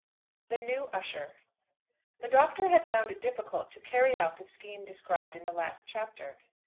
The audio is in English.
THE NEW USHER. THE Doctor had found it difficult to carry out the scheme described in the last chapter.